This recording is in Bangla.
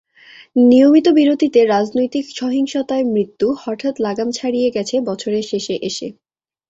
নিয়মিত বিরতিতে রাজনৈতিক সহিংসতায় মৃত্যু হঠাৎ লাগাম ছাড়িয়ে গেছে বছরের শেষে এসে।